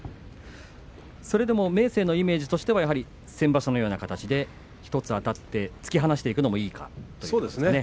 それでも明生のイメージとしては先場所のような形で１つあたって突き放していくというのがいいですか。